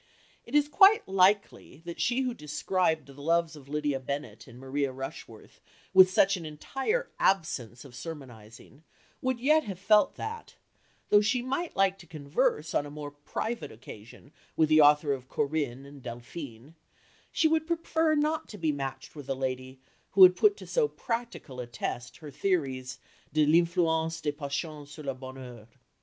It is quite likely that she who described the loves of Lydia Bennet and Maria Rushworth with such an entire absence of sermonizing would yet have felt that, though she might like to converse on a more private occasion with the author of Corinne and Delphine, she would prefer not to be matched with a lady who had put to so practical a test her theories "de l'influence des passions sur le bonheur."